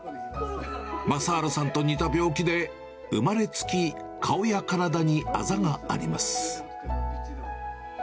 雅治さんと似た病気で、生まれつき顔や体にあざがあります。